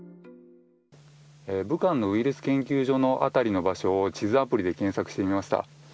武漢のウイルス研究所辺りの場所を地図アプリで検索してみました。